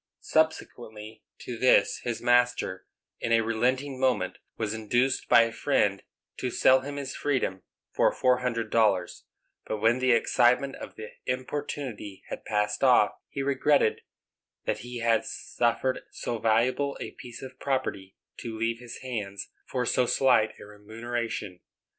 Subsequently to this his master, in a relenting moment, was induced by a friend to sell him his freedom for four hundred dollars; but, when the excitement of the importunity had passed off, he regretted that he had suffered so valuable a piece of property to leave his hands for so slight a remuneration.